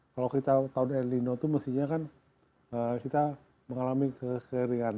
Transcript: kalau kita tahu tahun elino itu mestinya kan kita mengalami kekeringan